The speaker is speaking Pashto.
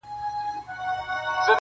د افغان په نوم لیکلی بیرغ غواړم -